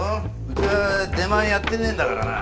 うちは出前やってねえんだからな。